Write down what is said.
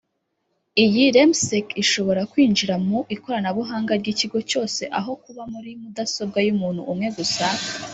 Iyi Remsec ishobora kwinjira mu ikoranabuhanga ry’ikigo cyose aho kuba muri mudasobwa y’umuntu umwe gusa